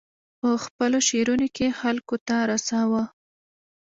په خپلو شعرونو کې یې خلکو ته رساوه.